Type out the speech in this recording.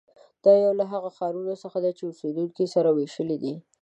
دا یو له هغو ښارونو څخه دی چې اوسېدونکي یې سره وېشلي دي.